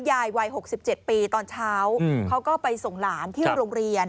วัย๖๗ปีตอนเช้าเขาก็ไปส่งหลานที่โรงเรียน